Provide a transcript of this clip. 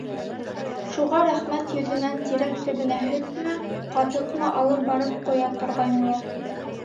Шуға рәхмәт йөҙөнән тирәк төбөнә һөтмө, ҡатыҡмы алып барып ҡоя торғайнылар.